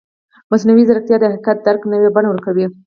مصنوعي ځیرکتیا د حقیقت درک نوې بڼه ورکوي.